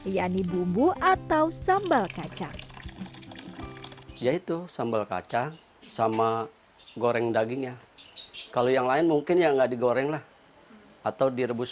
yaitu sambal kacang sama goreng dagingnya kalau yang lain mungkin ya nggak digoreng lah atau direbus